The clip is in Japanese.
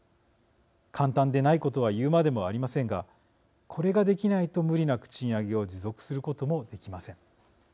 簡単でないことは言うまでもありませんがこれができないと無理なく賃上げを持続することもできません。